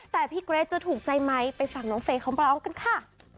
แต่พี่เกรดจะถูกใจไหมไปฟังน้องเฟะของเรากันค่ะ